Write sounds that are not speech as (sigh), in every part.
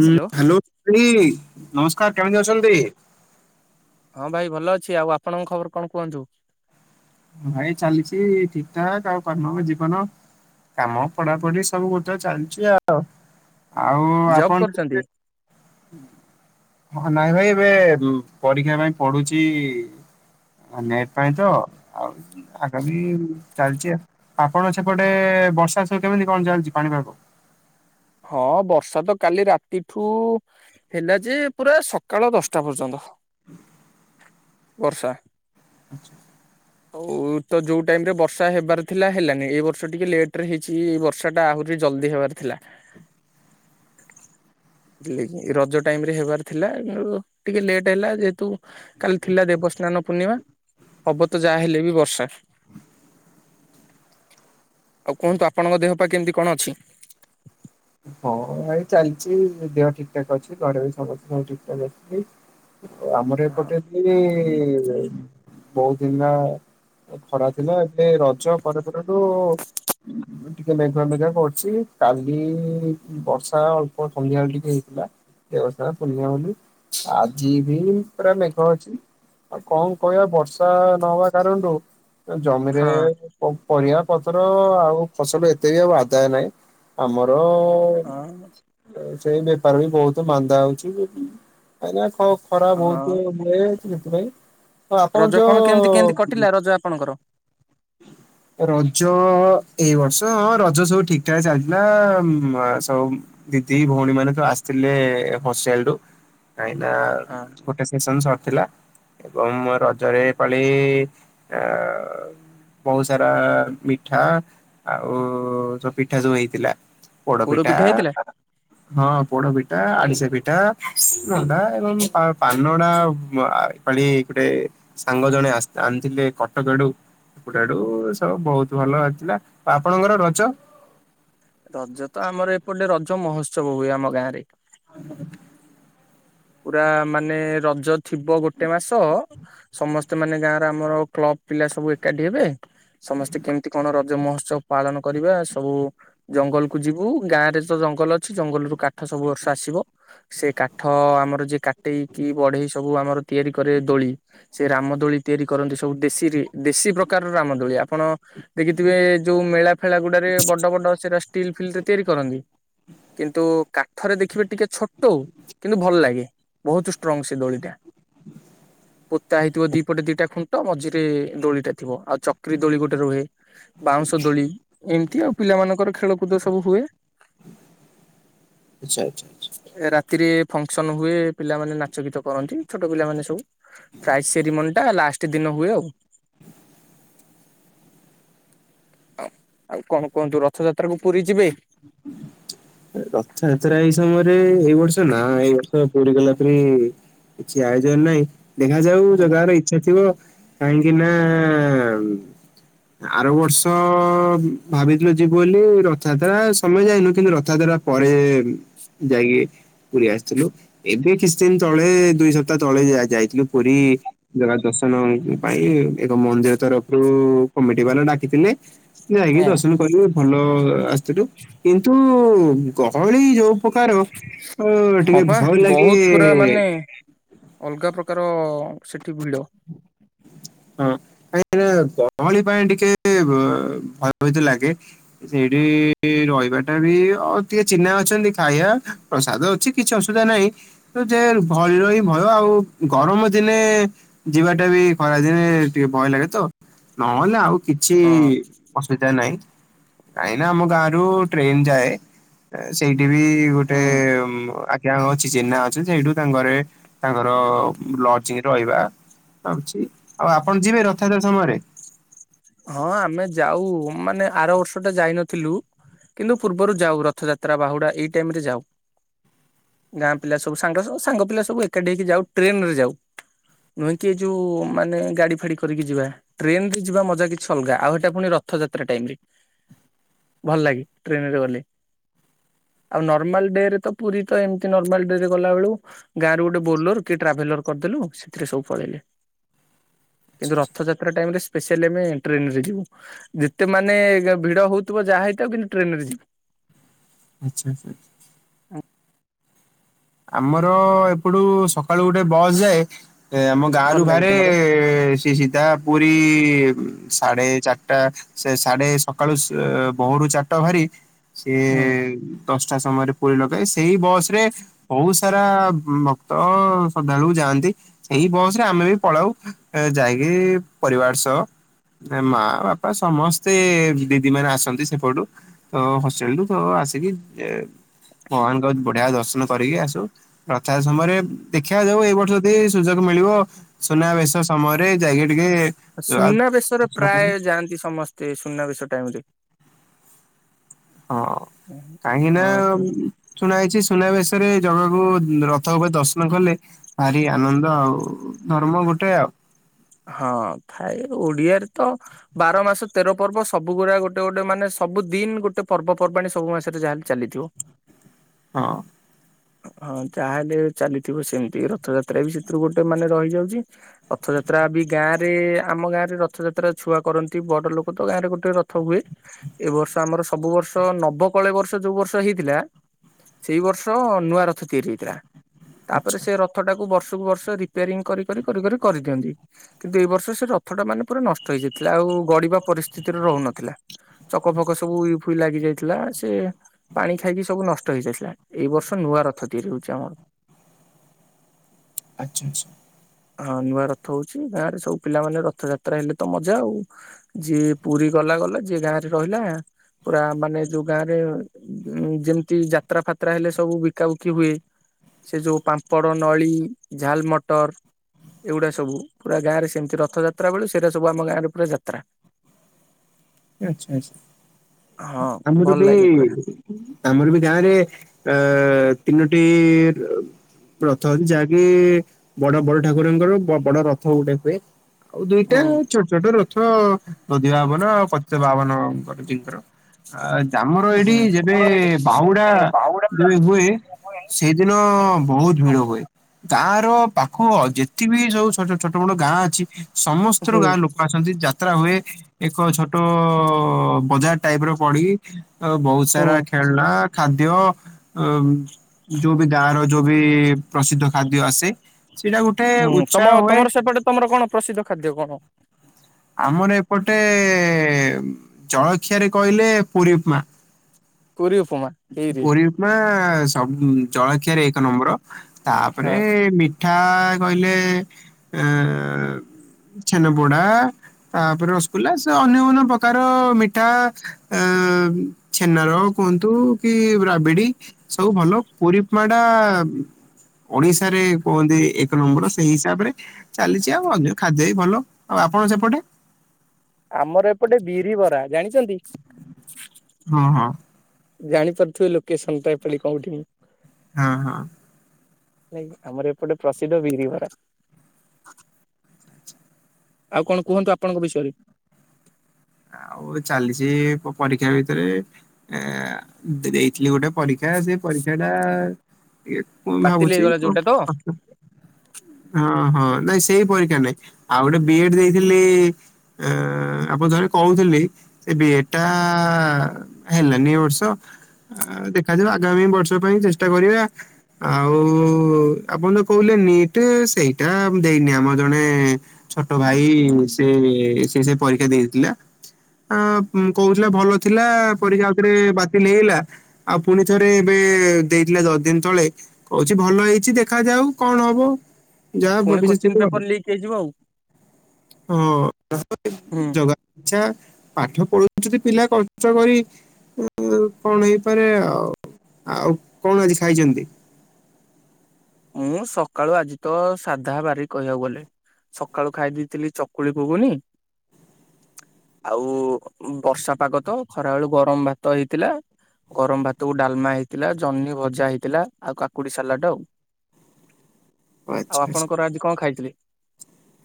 ହୁଁ hello hello ନମସ୍କାର କେମିତି ଅଛନ୍ତି? ହଁ ଭାଇ ଭଲ ଅଛି ଆଉ ଆପଣଙ୍କ ଖବର କଣ କୁହନ୍ତୁ? ଭାଇ ଚାଲିଛି ଠିକ ଠାକ ଆଉ କର୍ମ ହବ ଜୀବନ। କାମ ପଢାପଢି ସବୁ ଗୋଟେ ଚାଲିଛି ଆଉ ଆଉ ଜବ୍ ଆପଣ କରୁଛନ୍ତି? ହଁ ନାଇଁ ଭାଇ ଏବେ ପରୀକ୍ଷା ପାଇଁ ପଡୁଛି। ନେଟ ପାଇଁ ତ ଆଉ ଆଗାମୀ ଚାଲିଛି ଆଉ ଆପଣ ସେପଟେ ବର୍ଷା ସବୁ କେମିତି କଣ ଚାଲିଛି ପାଣିପାଗ। ହଁ ବର୍ଷା ତ କାଲି ରାତିଠୁ ହେଲା ଯେ ପୁରା ସକାଳ ଦଶଟା ପର୍ଯ୍ୟନ୍ତ। ବର୍ଷା। (inaudible) ହଉ ତ ଯୋଉ ଟାଇମରେ ବର୍ଷା ହେବାର ଥିଲା ହେଲାନି ଏଇ ବର୍ଷ ଟିକେ ଲେଟରେ ହେଇଛି ଏଇ ବର୍ଷ ବର୍ଷାଟା ଆହୁରି ଜଲ୍ଦି ହେବାର ଥିଲା। ରଜ ଟାଇମରେ ହେବାର ଥିଲା ଟିକେ ଲେଟ୍ ହେଲା ଯେହେତୁ କାଲି ଥିଲା ଦେବସ୍ନାନ ପୂର୍ଣ୍ଣିମା ହବ ତ ଯାହାହେଲେ ବି ବର୍ଷା। ଆଉ କୁହନ୍ତୁ ଆପଣଙ୍କ ଦେହ ପାହା କେମିତି କଣ ଅଛି? ହଁ ଭାଇ ଚାଲିଛି ଦେହ ଠିକ ଠାକ୍ ଅଛି ଘରେ ବି ସମସ୍ତେ ସବୁ ଠିକ ଠାକ୍ ଅଛନ୍ତି। ଆମର ହଁ ଏପଟେ ବହୁତ ଦିନା ଖରା ଥିଲା ଏବେ ରଜ ପରେ ପରଠୁ ଟିକେ ମେଘୁଆ ମେଘୁଆ କରୁଛି କାଲି ବର୍ଷା ଅଳ୍ପ ସନ୍ଧ୍ୟା ବେଳେ ଟିକେ ହେଇଥିଲା। ଦେବସ୍ନାନ ପୂର୍ଣ୍ଣିମା ବୋଲି ଆଜି ବି ପୁରା ମେଘ ଅଛି। ଆଉ କଣ କହିବା ବର୍ଷା ନହବା କାରଣରୁ ଜମିରେ ହଁ ପରିବା ପତ୍ର ଆଉ ଫସଲ ଏତେ ବି ଆଉ ଆଧାୟ ନାହିଁ ଆମର ହଁ। ସେଇ ବେପାର ବି ବହୁତ ମାନ୍ଦା ହଉଛି କାଇକିନା ଖରା ହଁ ବହୁତ। (unintelligible) ସେଥିପାଇଁ ଆପଣ ଯୋଉ ଯୋଉ ଆପଣଙ୍କର ରଜ ଏଇ ବର୍ଷ ହଁ ରଜ ସବୁ ଠିକଠାକ ଚାଲିିଥିଲା ସବୁ ଦିଦି ଭଉଣୀ ମାନେ ତ ଆସିଥିଲେ ହଷ୍ଟେଲରୁ କାହିଁକି ନା ହଁ ପ୍ରିପାରେସନ ସରିଥିଲା ଏବଂ ରଜରେ ଏପାଳି ଆଁ ବହୁତ ସାରା ମିଠା ଆଉ ସ ପିଠା ସବୁ ହେଇଥିଲା। ପୋଡ ପୋଡପିଠା। ପିଠା ହେଇଥିଲା ହଁ ପୋଡ ପିଠା ଆରିଶା ପିଠା ମଣ୍ଡା ଏବଂ ପାନଡା ପାଳି ଗୋଟେ ସାଙ୍ଗ ଜଣେ ଆସି ଆଣିଥିଲେ କଟକ ଆଡୁ କୁକୁଡାଡୁ ସବୁ ବହୁତ ଭଲ ଆସିଥିଲା ଆ ଆପଣଙ୍କର ରଜ? ରଜ ତ ଆମର ଏପଟେ ରଜ ମହୋତ୍ସବ ହୁଏ ଆମ ଗାଁରେ। ପୁରା ମାନେ ରଜ ଥିବ ଗୋଟେ ମାସ ସମସ୍ତେ ମାନେ ଗାଁର ଆମର କ୍ଲବ ପିଲା ସବୁ ଏକାଠି ହେବେ। ସମସ୍ତେ କେମିତି କଣ ରଜ ମହୋତ୍ସବ ପାଳନ କରିବା ସବୁ ଜଙ୍ଗଲ କୁ ଯିବୁ ଗାଁ ରେ ତ ଜଙ୍ଗଲ ଜଙ୍ଗଲରୁୁ କାଠ ସବୁ ବର୍ଷ ଆସିବ ସେ କାଠ ଆମର ଯେ କାଟେ କି ବଢେଇ ସବୁ ଆମର ତିଆରି କରେ ଦୋଳି ସେ ରାମଦୋଳି ତିଆରି କରନ୍ତି ସବୁ ଦେଶୀରେ। ଦେଶୀ ପ୍ରକାରର ରାମଦୋଳି, ଆପଣ ଦେଖିଥିବେ ଯୋଉ ମେଳା ଫେଳା ଗୁଡାରେ ବଡ ବଡ ସେ ରା ଟୀଲ୍ ଫିଲ୍ ରେ ତିଆରି କରନ୍ତି କିନ୍ତୁ କାଠରେ ଦେଖିବେ ଟିକେ ଛୋଟ, କିନ୍ତୁ ଭଲ ଲାଗେ। ବହୁତ ଷ୍ଟ୍ରଙ୍ଗ ସେ ଦୋଳିଟା। ତା ହେଇଥିବ ଦି ପଟେ ଦିଟା ଖୁଣ୍ଟ ମଝିରେ ଡୋଳିଟା ଥିବ। ଆଉ ଚକ୍ରି ଦୋଳି ଗୋଟେ ରୁହେ। ବାଉଁଶ ଦୋଳି ଏମିତି ଆଉ ପିଲାମାନଙ୍କର ଖେଳକୁଦ ସବୁ ହୁଏ। ଆଚ୍ଛା ଆଚ୍ଛା। ରାତିରେ ଫଙ୍କସନ ହୁଏ। ପିଲାମାନେ ନାଚ ଗୀତ କରନ୍ତି। ଛୋଟ ପିଲାମାନେ ସବୁ ପ୍ରାଇଜ ସେରେମୋନି ଟା ଲାଷ୍ଟ ଦିନ ହୁଏ ଆଉ। ଆଉ ଆଉ କଣ କୁହନ୍ତୁ ରଥଯାତ୍ରା କୁ ପୁରୀ ଯିବେ? ରଥଯାତ୍ରା ଏଇ ସମୟରେ ଏଇ ବର୍ଷ ନା ଏଇ ବର୍ଷ ପୁରି ଗଲା ପରି କିଛି ଆୟୋଜନ ନାହିଁ ଦେଖାଯାଉ ହଁ। ଜଗାର ଇଚ୍ଛା ଥିବ କାହିଁକି ନା ଆର ବର୍ଷ ଭାବିଥିଲୁ ଯିବୁ ବୋଲି ରଥ ରା ସମୟ ଯାଇନୁ କିନ୍ତୁ ରଥ ଯାତ୍ରା ପରେ ଯାଇକି ପୁରୀ ଆସିଥିଲୁ। ଏବେ କିଛି ଦିନ ତଳେ ଦୁଇ ସପ୍ତାହ ତଳେ ଯାଇଥିଲୁ ପୁରୀ। ଜଗା ଦର୍ଶନ ପାଇଁ ଏକ ମନ୍ଦିର ତରଫରୁ କମିଟି ବାଲା ଡାକିଥିଲେ। ନାଇଁ ହଁ ଦର୍ଶନ କଲୁ ଭଲ ଆସଥିଲୁ। କିନ୍ତୁ ଗହଳି ଯୋଉ ପ୍ରକାର ହଁ ଟିକେ ପା ଭୟଲାଗେ। ବହୁତ ପୁରା ମାନେ ଅଲଗା ପ୍ରକାର ସେଠି ଭିଡ଼। ହଁ (unintelligible) ଏ ଗହଳି ପାଇଁ ଟିକେ ଭୟଭିତ ଲାଗେ। ସେଇଠି ରହିବାଟା ବି ଅ ଟିକେ ଚିହ୍ନା ଅଛନ୍ତି ଖାଇବା ପ୍ରସାଦ ଅଛି କିଛି ଅସୁବିଧା ନାଁଇ। ଯେ ଭୟ ହି ଭୟ ଆଉ ଗରମ ଦିନେ ଯିବାଟା ବି ଖରା ଦିନେ ଟିକେ ଭୟ ଲାଗେ ତ ନହେଲେ ଆଉ କିଛି ହଁ। ଅସୁବିଧା ନାହିଁ କାହିଁନା ଆମ ଗାଁ ରୁ ଟ୍ରେନ ଯାଏ। ସେଇଠି ବି ଗୋଟେ ହୁଁ। ଆ (unintelligible) ଅଛି ଚିହ୍ନା ଅଛି ସେଇଠୁ ତାଙ୍କ ଘରେ ତାଙ୍କର ଲଜିଂ ଇଏରେ ରହିବା। ଖାଉଚି, ଆଉ ଆପଣ ଯିବେ ରଥଯାତ୍ରା ସମୟରେ? ହଁ ଆମେ ଯାଉ ମାନେ ଆର ବର୍ଷଟା ଯାଇନଥିଲୁ। କିନ୍ତୁ ପୂର୍ବରୁ ଯାଉ ରଥଯାତ୍ରା ବାହୁଡା ଏଇ ଟାଇମ୍ ରେ ଯାଉ। ଗାଁ ପିଲା ସବୁ ସାଙ୍ଗର ସାଙ୍ଗ ପିଲା ସବୁ ଏକାଠି ହେଇକି ଯାଉ ଟ୍ରେନରେ ଯାଉ। ନୁହେଁ କି ଏଇ ଯୋଉ ମାନେ ଗାଡି ଫାଡି କରିକି ଯିବା। ଟ୍ରେନରେ ଯିବା ମଜା କିଛି ଅଲଗା ଆଉ ଏଟା ପୁଣି ରଥଯାତ୍ରା ଟାଇମ୍ ରେ, ଭଲ ଲାଗେ ଟ୍ରେନରେ ଗଲେ। ଆଉ ନର୍ମାଲ ଡେରେ ତ ପୁରି ତ ଏମିତି ନର୍ମାଲ ଡେରେ ଗଲା ବେଳୁ ଗାଁ ରୁ ଗୋଟେ ବୋଲର କି ଟ୍ରାଭେଲର କରିଦେଲୁ ସେଥିରେ ସବୁ ପଳେଇଲେ। କିନ୍ତୁ ରଥଯାତ୍ରା ଟାଇମ୍ ରେ ସ୍ପେଶିଆଲି ଆମେ ଟ୍ରେନରେ ଯିବୁ। ଯେତେ ମାନେ ଭିଡ ହୋଉଥିବ ଯାହା ହେଇଥାଉ କିନ୍ତୁ ଟ୍ରେନରେ ଯିବୁ। ଆଚ୍ଛା ଆଚ୍ଛା ଆ ଆମର ଏପଟୁ ସକାଳୁ ଗୋଟେ ବସ୍ ଯାଏ। ଆମ ଭଲ ଗାଁରୁ ଲାଗେ ବାହାରେ ତମର ସେ ସିଧା ପୁରି ସାଢେ ଚାରିଟା ସେ ସାଢେ ସକାଳୁ ସେ ଭୋରୁ ଚାରିଟାଭାରି ସିଏ ହୁଁ। ଦଶଟା ସମୟରେ ପୁରି ଲଗାଇଏ ସେଇ ବସରେ ବୋହୁତ ସାରା ଭକ୍ତ ଶ୍ରଦ୍ଧାଳୁ ଯାଆନ୍ତି। ଏଇ ବସ୍ ରେ ଆମେ ବି ପଳାଉ ଯାଇକି ପରିବାର ସହ ମା ବାପା ସମସ୍ତେ ଦିଦି ମାନେ ଆସନ୍ତି ସେପଟୁ ତ ହଷ୍ଟେଲରୁୁ ତ ତେ ଆସିକି ଭଗବାନଙ୍କ ବଢିଆ ଦର୍ଶନ କରିକି ଆସୁ। ରଥଯାତ୍ରା ସମୟରେ ଦେଖିଆ ଯୋଉ ଏଇ ବର୍ଷ ଯଦି ସୁଯୋଗ ମିଳିବ। ସୁନାବେଶ ସମୟରେ ଯାଇକି ଟିକେ ସୁନାବେଶରେ ଦର୍ଶନ କରିବି ପ୍ରାୟ ଯାଆନ୍ତି ସମସ୍ତେ ସୁନାବେଶ ଟାଇମ୍ ରେ ହଁ କାହିଁନା ହଁ ଶୁଣ ଉଁ ଶୁଣା ହେଇଚି ସୁନା ବେଶରେ ଜଗାକୁ ରଥ ଉପରେ ଦର୍ଶନ କଲେ। ଭାରି ଆନନ୍ଦ ଆଉ ଧର୍ମ ଗୋଟେ ଆଉ। ହଁ ଥାଏ ଓଡିଆରେ ତ ବାର ମାସ ତେର ପର୍ବ ସବୁଗୁରା ଗୋଟେ ଗୋଟେ ମାନେ ସବୁ ଦିନ୍ ଗୋଟେ ପର୍ବପର୍ବାଣି ସବୁ ମାସରେ ଯାହା ହେଲେ ଚାଲିଥିବୁ। ହଁ। ହଁ ଯାହାହେଲେ ବି ଚାଲିଥିବ ସେମିତି ରଥଯାତ୍ରା ବି ସେଥିରୁ ଗୋଟେ ମାନେ ରହିଯାଉଚି। ରଥ ଯାତ୍ରା ବି ଗାଁରେ ଆମ ଗାଁରେ ରଥଯାତ୍ରା ଛୁଆ କରନ୍ତି। ବଡଲୋକ ତ ଗାଁରେ ଗୋଟେ ରଥ ହୁଏ। ଏ ବର୍ଷ ଆମର ସବୁ ବର୍ଷ ନବକଳେବର ବର୍ଷେ ଯୋଉ ବର୍ଷ ହେଇଥିଲା। ସେଇ ବର୍ଷ ନୂଆ ରଥ ତିଆରି ହେଇଥିଲା। ତାପରେ ଆଚ୍ଛା ସେ ରଥଟାକୁ ବର୍ଷକୁ ବର୍ଷ ରିପେଆରିଂ କରି କରି କରି କରି କରିଦିଅନ୍ତି। କିନ୍ତୁ ଏଇ ବର୍ଷ ସେ ରଥଟା ମାନେ ପୁରା ନଷ୍ଟ ହେଇଯାଇଥିଲା। ଆଉ ଗଡିବା ପରିସ୍ଥିତିରେ ରହୁନଥିଲା। ଚକ ଫକ ସବୁ ଉଇ ଫୁଇ ଲାଗି ଯାଇଥିଲା। ସେ ପାଣି ଖାଇକି ସବୁ ନଷ୍ଟ ହେଇଯାଇଥିଲା। ଏଇ ବର୍ଷ ନୂଆ ରଥ ତିଆରି ହୋଉଚି ଆମର। ଆଚ୍ଛ ଆଚ୍ଛ। ହଁ ନୂଆ ରଥ ହୋଉଚି। ଗାଁରେ ସବୁ ପିଲାମାନେ ରଥଯାତ୍ରା ହେଲେ ତ ମଜା ଆଉ। ଯିଏ ପୁରି ଗଲା ଗଲା ଯିଏ ଗାଁରେ ରହିଲା ପୁରା ମାନେ ଯୋଉ ଗାଁରେ ଉଁ ଯେମିତି ଯାତ୍ରା ଫାତ୍ରା ହେଲେ ସବୁ ବିକାବିକି ହୁଏ। ସେ ଯୋଉ ପାମ୍ପଡ, ନଳି, ଝାଲ ମଟର ଏଗୁଡା ସ ସବୁ ପୁରା ଗାଁ ରେ ସେମିତି ରଥ ଯାତ୍ରା ବେଳୁ ସେଟା ସବୁ ଆମ ଗାଁରେ ପୁରା ଯାତ୍ରା ଆଚ୍ଛା ଆଚ୍ଛା ହଁ ଆମର ଭଲ ବି ଲାଗେ ପୁରା ଆମର ବି ଗାଁରେ ଅ ତିନୋଟି ରଥ ଅଛି ଯାହାକି ବଡ଼ ବଡ଼ ଠାକୁରଙ୍କର ବଡ଼ ରଥ ଗୋଟେ ହୁଏ। ଆଉ ଦୁଇଟା ହୁଁ ଛୋଟ ଛୋଟ ରଥ ନଧି ବାବନ ଆଉ ପଚ ବାବନଙ୍କର ଜିଙ୍କର ଆ ଆମର ଏଇଠି ହୁଁ। ଯେବେ ଆମର ଏଇଠି ବାହୁଡ଼ା ଯେବେ ବାହୁଡା ଯେବେ ହୁଏ ସେଇଦିନ ବହୁତ ଭିଡ଼ ହୁଏ। ଗାଁ ର ପାଖ ଯେତି ବିି ସବୁ ଛୋଟ ଛୋଟ ମୋଟ ଗାଁ ଅଛି ସମସ୍ତର ହୁଁ ଗାଁ ଲୋକ ଆସନ୍ତି ଯାତ୍ରା ହୁଏ ଏକ ଛୋଟ ବଜାର ଟାଇପ୍ ର ପଡ଼ିକି ଆଉ ବହୁତ୍ ସାରା ହୁଁ ଖେଳନା ଖାଦ୍ୟ ଅ ଯୋଉ ବି ଗାଁ ର ଯୋଉବି ପ୍ରସିଦ୍ଧ ଖାଦ୍ୟ ଆସେ ସେଟା ଗୋଟେ ହୁଁ ଉତ୍ସାହ ତମ ହୁଏ ତମର ସେପଟେ ତମର କଣ ପ୍ରସିଦ୍ଧ ଖାଦ୍ୟ କଣ? ଆମର ଏପଟେ ଜଳଖିଆରେ କହିଲେ ପୁରୀ ଉପମା କରି ଉପମା। ଖିରି ପୁରି ଉପମା ସବୁ ଜଳଖିଆରେ ଏକ ନମ୍ବର ତାପରେ ହଁ। ମି ଠା କହିଲେ ଅ ଛେନ ପୋଡ଼ା ତାପରେ ରସଗୋଲ୍ଲା ସେ ଅନ୍ୟ ଅନ୍ୟ ପ୍ରକାରର ମିଠା ଛେନାର କୁହନ୍ତୁ କି ରାବିଡ଼ି ସବୁ ଭଲ ପୁରୀ ଉପମା ଟା ଓଡ଼ିଶାରେ କୁହନ୍ତି ଏକ ନମ୍ବର ସେଇ ହିସାବରେ ଚାଲିଛି ଆଉ ଅନ୍ୟ ଖାଦ୍ୟ ବି ଭଲ ଆଉ ଆପଣ ସେପଟେ? ଆମର ଏପଟେ ବିରି ବରା ଜାଣିଛନ୍ତି? ହଁ ହଁ। ଜାଣିପାରୁଥିବେ ଲୋକେସନ ଟା ଏପାଳି କୋଉଠି? ହଁ ହଁ। ଆମର ଏପଟେ ପ୍ରସିଦ୍ଧ ବିରି ବରା। ଆଉ କଣ କୁହନ୍ତୁ ଆପଣଙ୍କ ବିଷୟରେ? ଆଉ ଚାଲିଛି ପରୀକ୍ଷା ଭିତରେ ଏ ଦେଇଥିଲି ଗୋଟେ ପରୀକ୍ଷା ସେ ପରୀକ୍ଷା ଟା ଏ ପୁଣି ବାତିଲ ଭାବୁଛି ହେଇଗଲା (inaudible) ଯୋଉଟା ତ ହଁ ହଁ ନାଇଁ ସେଇ ପରୀକ୍ଷା ନାଇଁ ଆଉ ଗୋଟେ ବି ଏଡ୍ ଦେଇଥିଲି ଏଁ ଏଁ ଆପଣ ଜାଣି କହୁଥିଲି ଏ ବି ଏଡ୍ ଟା ହେଲାନି ଏ ବର୍ଷ ଆଁ ଦେଖାଯିବ ଆଗାମୀ ବର୍ଷ ପାଇଁ ଚେଷ୍ଟା କରିବା ଆଉ ଆପଣ ଯୋଉ କହୁଥିଲେ ନିଟ ସେଇଟା ଦେଇନି ଆମର ଜଣେ ଛୋଟ ଭାଇ ସେ ସେ ସେଇ ପରୀକ୍ଷା ଦେଇଥିଲା। ଆଁ କହୁଥିଲେ ଭଲ ଥିଲା ପରୀକ୍ଷା ଆଉ ଥରେ ବାତିଲ ହେଇଗଲା ଆଉ ପୁଣି ଥରେ ଏବେ ଦେଇଥିଲା ଦଶ ଦିନ ତଳେ କହୁଛି ଭଲ ହେଇଛି ଦେଖା ଯାଉ କଣ ହବ? ଯାହା ପୁଣି ଭବିଷ୍ୟତ କୋଶ୍ଚିନ୍ ଥିବ ପେପର ଲିକ୍ ହେଇଯିବ ଆଉ ହଁ ହୁଁ। ଜଗା ଆଚ୍ଛା ପାଠ ପଢ଼ୁଛନ୍ତି ପିଲା କଷ୍ଟ କରି ଆ କଣ ହେଇପାରେ ଆଉ ଆଉ କଣ ଆଜି ଖାଇଛନ୍ତି? ମୁଁ ସକାଳୁ ଆଜି ତ ସାଧା ବାରି କହିବାକୁ ଗଲେ। ସକାଳୁ ଖାଇ ଦେଇଥିଲି ଚକୁଳି ଘୁଘୁନି ଆଉ ବର୍ଷାପାଗ ତ ଖରା ବେଳୁ ଗରମ ଭାତ ହେଇଥିଲା ଗରମ ଭାତକୁ ଡାଲମା ହେଇଥିଲା ଜହ୍ନି ଭଜା ହେଇଥିଲା ଆଉ କାକୁଡ଼ି ସାଲଟ ଆଉ ଆଉ ଆଚ୍ଛା ଆଚ୍ଛା। ଆପଣଙ୍କର ଆଜି କଣ ଖାଇଥିଲେ?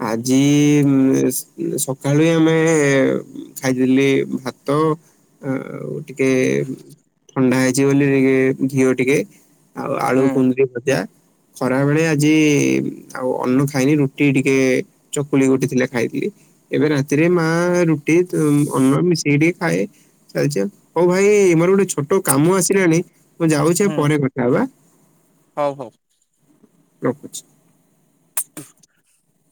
ଆଜି ଇ ସକାଳୀ ଆମେ ଖାଇଥିଲି ଭାତ ଆଉ ଟିକେ ଥଣ୍ଡା ହେଇଛି ବୋଲି ଟିକେ ଘିଅ ଟିକେ ଆଉ ଆଳୁ ହୁଁ କୁନ୍ଦୁରି ଭଜା ଖରା ବେଳେ ଆଜି ଆଉ ଅନ୍ନୁ ଖାଇନି ରୁଟି ଟି କେ ଚକୁଳି ଗୋଟେ ଥିଲା ଖାଇଥିଲି। ଏବେ ରାତିରେ ମା ରୁଟି ଅନ୍ନ ମିଶେଇ ଟିକେ ଖାଏ। ଚାଲିଛି ଆଉ ହଉ ଭାଇ ମୋର ଗୋଟେ ଛୋଟ କାମ ଆସିଲାଣି ମୁଁ ଯାଉଛି ହୁଁ ପରେ କଥା ହେବା। ହଉ ହଉ। ରଖୁଛି। (inaudible)